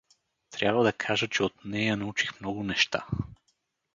Трябва да кажа, че от нея научих много неща.